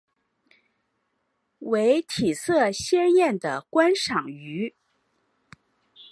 为体色鲜艳的观赏鱼。